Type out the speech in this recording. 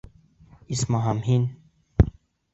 Исмаһам, һин...